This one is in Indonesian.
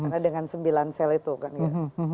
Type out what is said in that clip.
karena dengan sembilan sel itu kan ya